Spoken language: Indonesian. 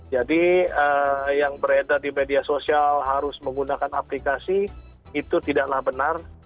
jadi yang beredar di media sosial harus menggunakan aplikasi itu tidaklah benar